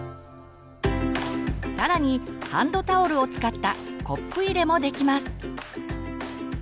更にハンドタオルを使ったコップ入れもできます。